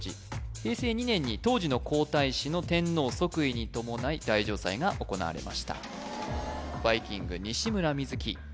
平成２年に当時の皇太子の天皇即位に伴い大嘗祭が行われましたバイきんぐ西村瑞樹